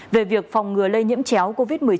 về việc phòng ngừa lây nhiễm chéo covid một mươi chín